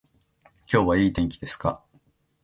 今日はいい天気ですか